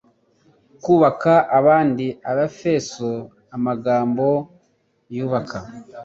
kubaka abandi Abefeso Amagambo yubaka